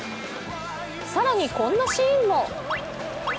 更にこんなシーンも。